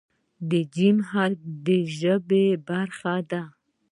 د "ج" حرف د ژبې برخه ده.